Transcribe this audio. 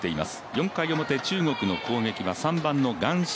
４回表、中国の攻撃は３番の顔思